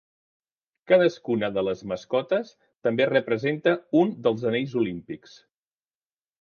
Cadascuna de les mascotes també representa un dels Anells Olímpics.